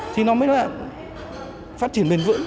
thì nó mới là phát triển bền vững